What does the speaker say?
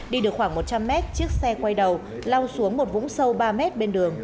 đi được khoảng một trăm linh mét chiếc xe quay đầu lao xuống một vũng sâu ba mét bên đường